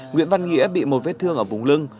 nguyễn văn nghĩa bị một vết thương ở vùng lưng